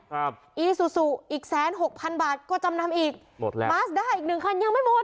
อีซูซูอีกแสนหกพันบาทก็จำนำอีกหมดแล้วบาสด้าอีกหนึ่งคันยังไม่หมด